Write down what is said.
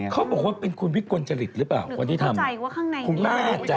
เขาบอกว่าเป็นคุณวิกลจริตหรือเปล่าคนที่ทำ